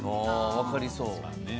分かりそう。